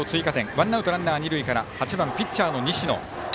ワンアウト、ランナー、二塁から８番、ピッチャーの西野。